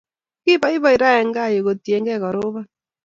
Kipoipoi raa en kaa yu kotienge karoban